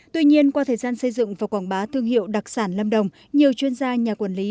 tuy nhiên qua thời gian xây dựng và quảng bá thương hiệu đặc sản lâm đồng nhiều chuyên gia nhà quản lý